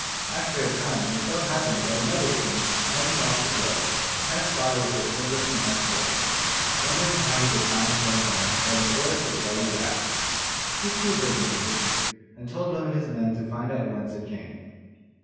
After a time it so happened that another King, having lost his way, passed by with his servants and escort, wondering how he could find his way home, for the forest was very vast. He too heard the music, and told one of his men to find out whence it came.